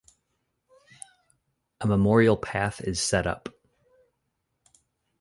A memorial path is set up.